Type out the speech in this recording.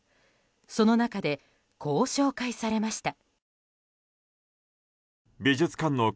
その中で、こう紹介されました。